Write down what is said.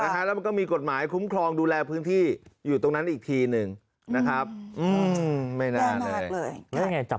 แล้วมันก็มีกฎหมายคุ้มครองดูแลพื้นที่อยู่ตรงนั้นอีกทีหนึ่งนะครับไม่แน่เลย